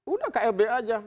udah klb aja